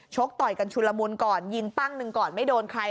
ต่อยกันชุลมุนก่อนยิงปั้งหนึ่งก่อนไม่โดนใคร